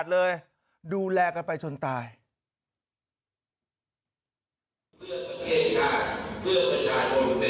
สมัยไม่เรียกหวังผม